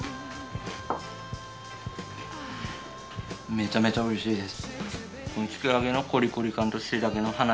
めちゃめちゃ美味しいです。